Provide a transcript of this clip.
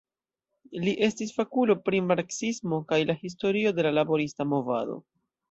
Li estis fakulo pri marksismo kaj la historio de la laborista movado.